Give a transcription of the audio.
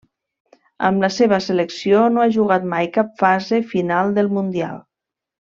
Amb la seva selecció no ha jugat mai cap fase final del Mundial.